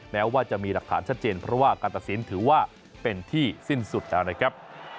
แม้ว่าจะมีหลักฐานชัดเจนเพราะว่าการตัดสินถือว่าเป็นที่สิ้นสุดแล้วนะครับ